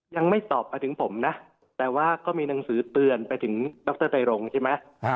ยังไม่ตอบมาถึงผมนะแต่ว่าก็มีหนังสือเตือนไปถึงดรไตรรงใช่ไหม